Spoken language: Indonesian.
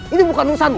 itu bukan urusanmu